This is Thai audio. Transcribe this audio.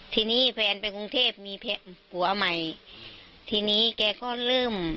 ทีนี้แฟนไปกรุงเทพมีผัวใหม่ทีนี้แกก็เริ่ม